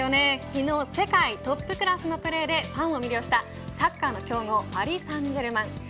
昨日世界トップクラスのプレーでファンを魅了したサッカーの強豪パリ・サンジェルマン。